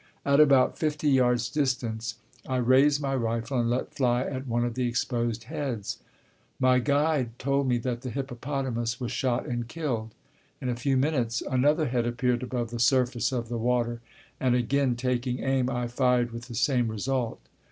At about fifty yards distant I raised my rifle and let fly at one of the exposed heads. My guide told me that the hippopotamus was shot and killed. In a few minutes another head appeared above the surface of the water and again taking aim I fired with the same result.